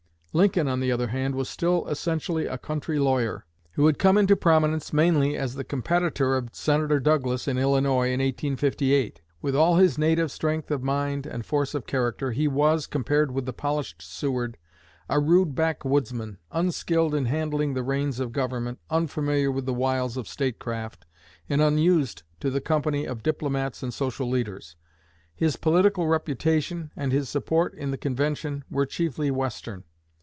Lincoln, on the other hand, was still essentially a country lawyer, who had come into prominence mainly as the competitor of Senator Douglas in Illinois in 1858. With all his native strength of mind and force of character, he was, compared with the polished Seward, a rude backwoodsman, unskilled in handling the reins of government, unfamiliar with the wiles of statecraft, and unused to the company of diplomats and social leaders. His political reputation, and his support in the convention, were chiefly Western.